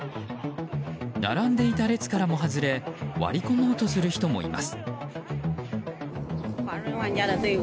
並んでいた列からも外れ割り込もうとする人もいます。